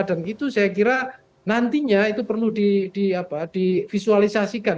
dan itu saya kira nantinya itu perlu di visualisasikan